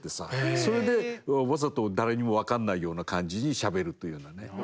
それでわざと誰にも分かんないような感じにしゃべるというようなね。